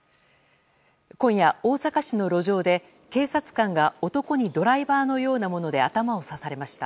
今夜、大阪市の路上で警察官が男にドライバーのようなもので頭を刺されました。